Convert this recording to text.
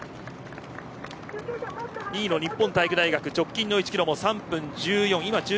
２位の日本体育大学直近の１キロは３分１４。